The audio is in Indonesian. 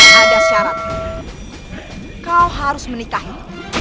saya baru aku membahas